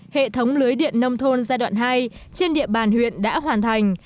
hệ thống lưới điện nông thôn giai đoạn hai trên địa bàn huyện đã hoàn thành